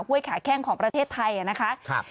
ห้วยขาแข้งของประเทศไทยนะครับ